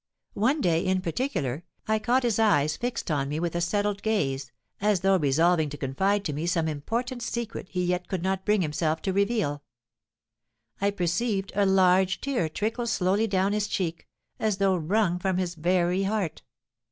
One day, in particular, I caught his eyes fixed on me with a settled gaze, as though resolving to confide to me some important secret he yet could not bring himself to reveal. I perceived a large tear trickle slowly down his cheek, as though wrung from his very heart.